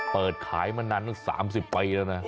เปิดขายมานานตั้ง๓๐ปีแล้วนะ